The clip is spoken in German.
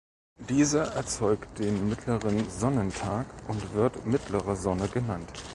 Diese erzeugt den "mittleren Sonnentag" und wird "mittlere Sonne" genannt.